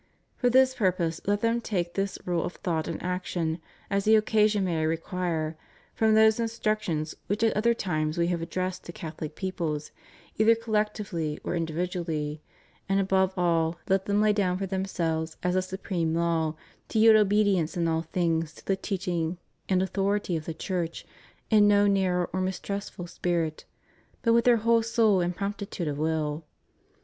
For this purpose, let them take this rule of thought and action, as the occasion may require, from those instructions which at other times We have addressed to Catholic peoples, either collectively or individually; and above all, let them lay down for themselves as a supreme law, to yield obedience in all things to the teaching and authority of the Church, in no narrow or mistrustful spirit, but with their whole soul and promptitude of will.